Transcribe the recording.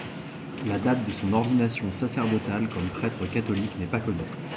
La date de son ordination sacerdotale comme prêtre catholique n'est pas connue.